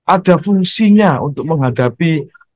ada fungsinya untuk menghadapi